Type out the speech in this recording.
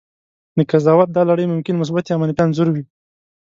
د قضاوت دا لړۍ ممکن مثبت یا منفي انځور وي.